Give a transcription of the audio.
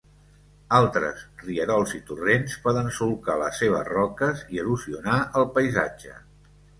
Altres rierols i torrents poden solcar les seves roques i erosionar el paisatge.